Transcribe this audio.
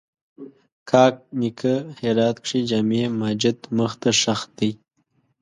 کاک نیکه هرات کښې جامع ماجت مخ ته ښخ دی